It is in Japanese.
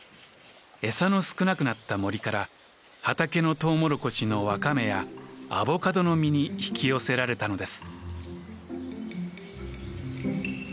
餌の少なくなった森から畑のトウモロコシの若芽やアボカドの実に引き寄せられたのです。